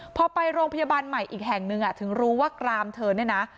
พอไปโรงพยาบาลใหม่อีกแห่งหนึ่งถึงรู้ว่ากรามเธอเนี่ยนะ